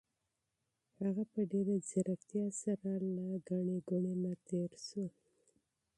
هغه په ډېر مهارت سره له بېروبار نه تېر شو.